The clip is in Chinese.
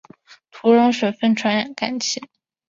土壤水分传感器。